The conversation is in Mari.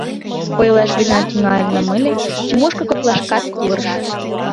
Ойлаш гына тӱҥалынам ыле, Тимошка коклашкат пурыш: